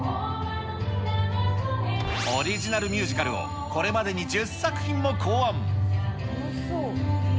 オリジナルミュージカルを、これまでに１０作品も考案。